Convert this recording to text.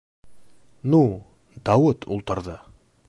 Ну, - Дауыт ултырҙы.